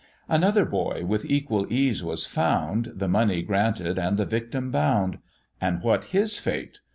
Another boy with equal ease was found, The money granted, and the victim bound; And what his fate?